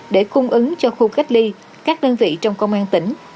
để cung ứng cho khu cách ly các đơn vị trong công an tỉnh